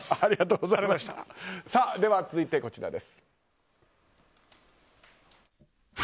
では続いてこちらです。